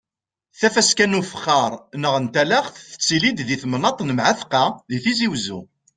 Tafaska n ufexxaṛ neɣ n talaxt tettili-d di temnaḍt n Mɛatqa di Tizi Wezzu.